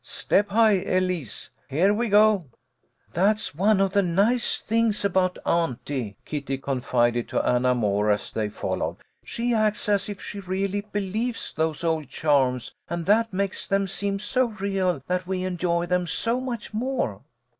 Step high, Elise ! Here we go !"" That's one of the nice things about auntie," Kitty confided to Anna Moore as they followed. " She acts as if she really believes those old charms, and that makes them seem so real that we enjoy them so much more."